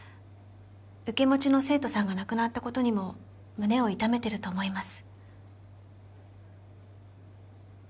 受け持ちの生徒さんが亡くなったことにも胸を痛めてると思います。